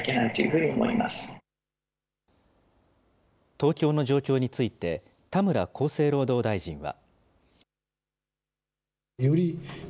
東京の状況について、田村厚生労働大臣は。